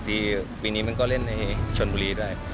ปีนี้มันก็เล่นในชนบุรีได้